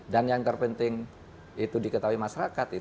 dan yang terpenting itu diketahui masyarakat